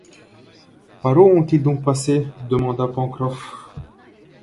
Par où ont-ils donc passé? demanda Pencroff.